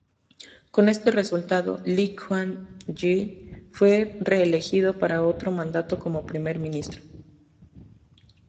Con este resultado, Lee Kuan Yew fue reelegido para otro mandato como primer ministro.